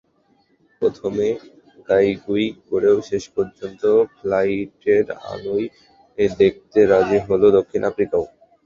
প্রথমে গাঁইগুঁই করেও শেষ পর্যন্ত ফ্লাডলাইটের আলোয় খেলতে রাজি হলো দক্ষিণ আফ্রিকাও।